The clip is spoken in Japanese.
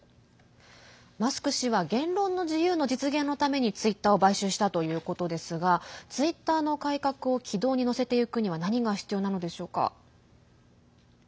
マスク氏は言論の自由の実現のためにツイッターを買収したということですがツイッターの改革を軌道に乗せていくには何が必要なのでしょうか。